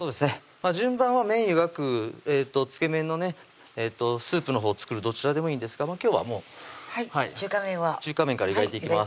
順番は麺湯がくつけ麺のねスープのほう作るどちらでもいいんですが今日はもうはい中華麺を中華麺から湯がいていきます